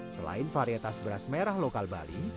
selain varietas beras merah lokal bali